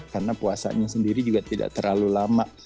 karena puasanya sendiri juga tidak terlalu lama